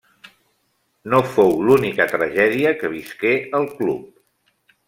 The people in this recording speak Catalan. No fou l'única tragèdia que visqué el club.